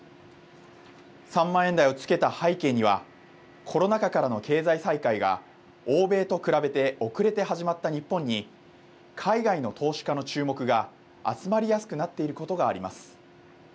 ３万円台をつけた背景にはコロナ禍からの経済再開が欧米と比べて遅れて始まった日本に海外の投資家の注目が集まりやすくなっていることがあります。